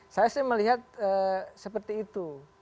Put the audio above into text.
saya sih melihat seperti itu